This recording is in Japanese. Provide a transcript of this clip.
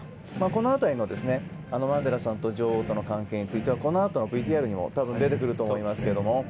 この辺りのマンデラさんと女王との関係はこのあとのＶＴＲにも出てくると思いますけれども。